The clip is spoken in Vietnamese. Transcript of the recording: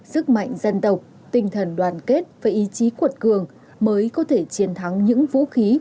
sức mạnh dân tộc tinh thần đoàn kết và ý chí cuột cường mới có thể chiến thắng những vũ khí